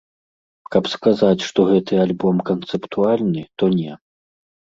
Каб сказаць, што гэты альбом канцэптуальны, то не.